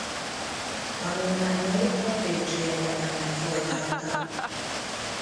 Tanulmányait a bécsi egyetemen folytatta.